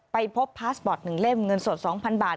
ไปพบพาสบอร์ต๑เล่มเงินสด๒๐๐บาท